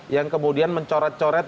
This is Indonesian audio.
yang kemudian mencoret coret